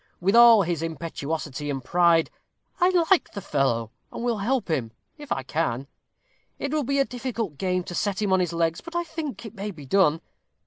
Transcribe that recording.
With all his impetuosity and pride, I like the fellow, and will help him, if I can. It will be a difficult game to set him on his legs, but I think it may be done.